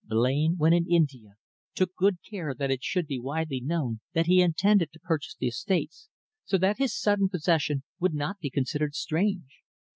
Blain, when in India, took good care that it should be widely known that he intended to purchase the estates, so that his sudden possession would not be considered strange.